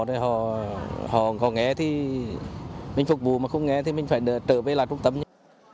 rồi họ nghe thì mình phục vụ mà không nghe thì mình phải trở về lại trung tâm nhé